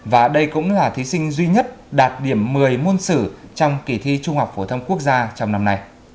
và đây cũng là thí sinh duy nhất đạt điểm một mươi môn sử trong kỳ thi trung học phổ thông quốc gia trong năm nay